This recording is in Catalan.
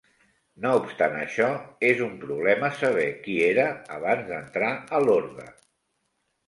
No obstant això, és un problema saber qui era abans d'entrar a l'orde.